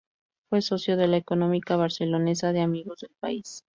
Fue socio de la Económica Barcelonesa de Amigos del País.